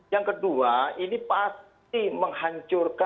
yang kedua ini pasti menghancurkan